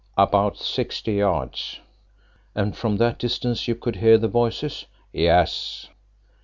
"About sixty yards." "And from that distance you could hear the voices?" "Yes."